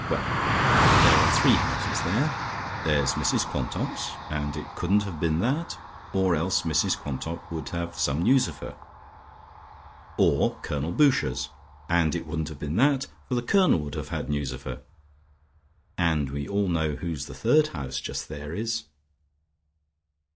Well, there are three houses there: there's Mrs Quantock's, and it couldn't have been that, or else Mrs Quantock would have had some news of her, or Colonel Boucher's, and it wouldn't have been that, for the Colonel would have had news of her, and we all know whose the third house just there is."